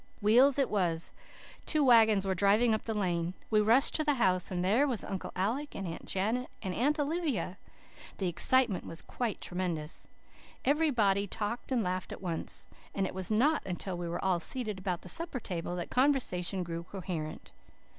Wheels it was. Two wagons were driving up the lane. We rushed to the house and there were Uncle Alec and Aunt Janet and Aunt Olivia! The excitement was quite tremendous. Every body talked and laughed at once, and it was not until we were all seated around the supper table that conversation grew coherent.